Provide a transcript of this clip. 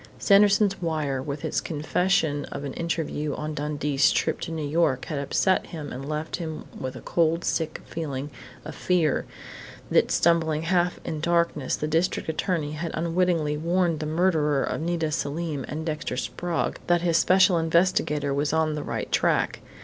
Sanderson's wire, with its confession of an interview on Dundee's trip to New York, had upset him and left him with a cold, sick feeling of fear that, stumbling half in darkness, the district attorney had unwittingly warned the murderer of Nita Selim and Dexter Sprague that his special investigator was on the right track.